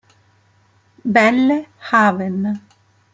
Belle Haven